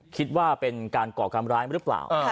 คิดว่าเป็นการก่อการร้ายหรือเปล่า